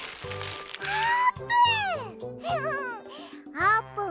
あーぷん